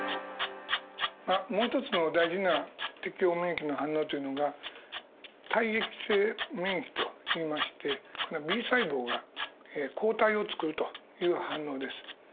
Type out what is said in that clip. もう一つの大事な適応免疫の反応というのが体液性免疫といいましてこれはＢ細胞が抗体をつくるという反応です。